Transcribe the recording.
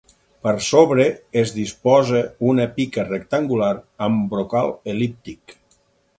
Per sobre, es disposa una pica rectangular amb brocal el·líptic.